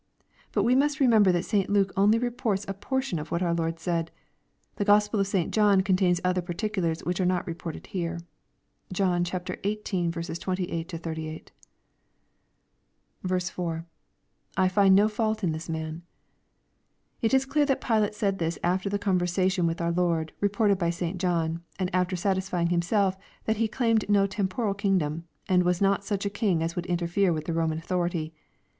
But we must remember that St. Luke only reports a portion of what our Lord said. The Gospel of St. John contains other particulars which are not reported here. (John xviii. 28 38.) 4. — [I find nofauU in this man.] It is clear that Pilate said this after the conversation with our Lord, reported by St. John, and after satisfying himself that He claimed no temporal kingdom, and was not such a King as would interfere with the Roman authority.